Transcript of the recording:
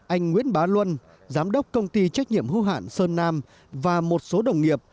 anh nguyễn bá luân giám đốc công ty trách nhiệm hưu hạn sơn nam và một số đồng nghiệp